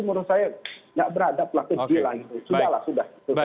menurut saya tidak beradab lah